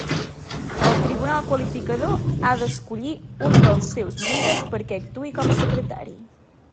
El tribunal qualificador ha d'escollir un dels seus membres perquè actuï com a secretari.